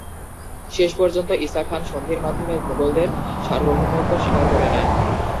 শেষ পর্যন্ত ঈসা খান সন্ধির মাধ্যমে মুগলদের সার্বভৌমত্ব স্বীকার করে নেন।